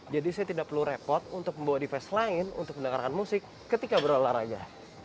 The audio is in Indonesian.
jadi saya tidak perlu repot untuk membawa device lain untuk mendengarkan musik ketika berolahraga